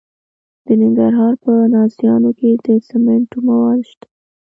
د ننګرهار په نازیانو کې د سمنټو مواد شته.